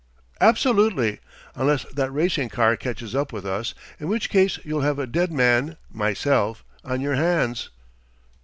"Absolutely, unless that racing car catches up with us, in which case you'll have a dead man myself on your hands."